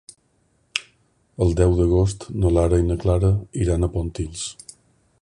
El deu d'agost na Lara i na Clara iran a Pontils.